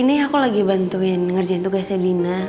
ini aku lagi bantuin ngerjain tugasnya dina